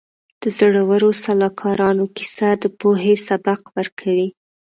د زړورو سلاکارانو کیسه د پوهې سبق ورکوي.